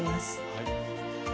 はい。